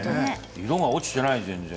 色が落ちていない、全然。